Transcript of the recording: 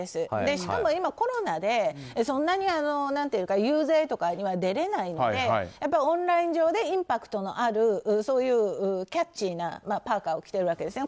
しかも今、コロナでそんなに遊説とかあるいは出れないのでオンライン上でインパクトのあるキャッチーなパーカを着ているわけですね。